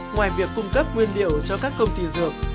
ngoài việc cung cấp nguyên liệu cho các công ty dược